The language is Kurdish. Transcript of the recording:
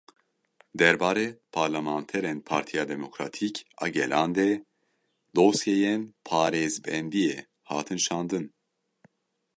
Derbarê parlamanterên Partiya Demokratîk a Gelan de dosyayên parêzbendiyê hatin şandin.